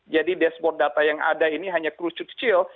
jadi dashboard data yang ada ini hanya kerucut kecil